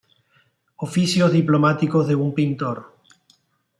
Oficios diplomáticos de un pintor